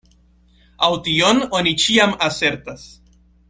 Aŭ tion oni ĉiam asertas.